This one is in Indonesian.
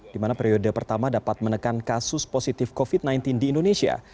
di mana periode pertama dapat menekan kasus positif covid sembilan belas di indonesia